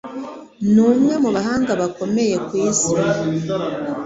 Ni umwe mu bahanga bakomeye ku isi.